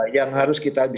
yang harus kita